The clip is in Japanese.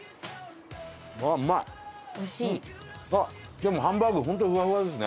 でもハンバーグ本当ふわふわですね。